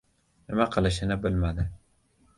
Nima qilishini bilmadi.